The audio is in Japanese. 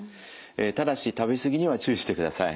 ただし食べ過ぎには注意してください。